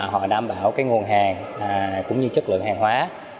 họ đảm bảo cái nguồn hàng cũng như chất lượng hàng hóa